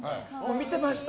見てました！